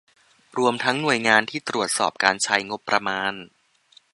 รวมทั้งหน่วยงานที่ตรวจสอบการใช้งบประมาณ